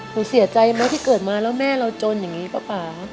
หนูเสียใจไหมที่เกิดมาแล้วแม่เราจนอย่างนี้ป๊า